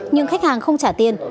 nhưng khách hàng không trả tiền